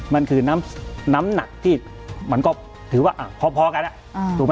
มันคือน้ำหนักที่ถือว่าพอกัน